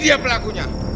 kami akan melakukan caranya